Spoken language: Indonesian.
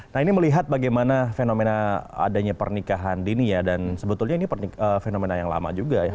nah ini melihat bagaimana fenomena adanya pernikahan dini ya dan sebetulnya ini fenomena yang lama juga ya